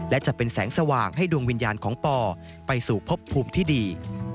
และจะเป็นแสงสว่างให้ดวงวิญญาณของปอไปสู่พบภูมิที่ดี